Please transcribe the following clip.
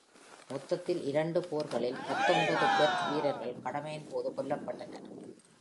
மொத்தத்தில், இரண்டு போர்களில் பத்தொன்பது பெர்த் வீரர்கள் கடமையின் போது கொல்லப்பட்டனர்.